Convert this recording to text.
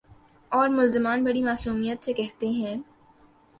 اورملزمان بڑی معصومیت سے کہتے ہیں۔